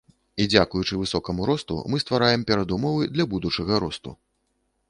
І дзякуючы высокаму росту мы ствараем перадумовы для будучага росту.